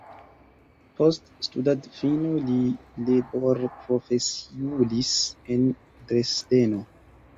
Post studadfino li liberprofesiulis en Dresdeno.